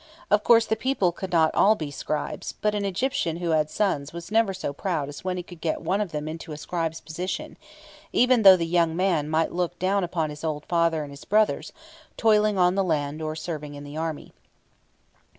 Of course the people could not all be scribes; but an Egyptian who had sons was never so proud as when he could get one of them into a scribe's position, even though the young man might look down upon his old father and his brothers, toiling on the land or serving in the army.